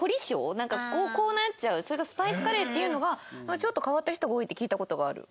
なんかこうなっちゃうそれがスパイスカレーっていうのがちょっと変わった人が多いって聞いた事がある。